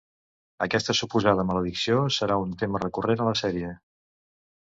Aquesta suposada maledicció serà un tema recurrent a la sèrie.